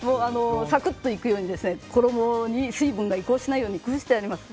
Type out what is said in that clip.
サクッといくように衣に水分が移行しないように工夫してあります。